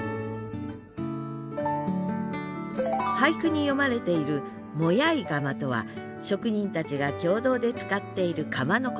俳句に詠まれている「もやい窯」とは職人たちが共同で使っている窯のこと。